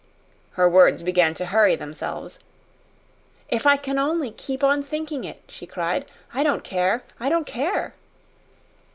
Her words began to hurry themselves. "If I can only keep on thinking it," she cried, "I don't care! I don't care!"